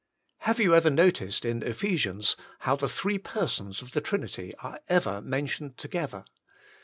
Have you ever noticed in Ephesians how the three Persons of the Trinity are ever mentioned together.